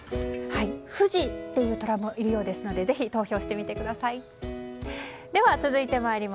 フジという虎もいるようですのでぜひ投票してみてください。